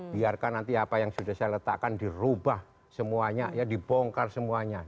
biarkan nanti apa yang sudah saya letakkan dirubah semuanya ya dibongkar semuanya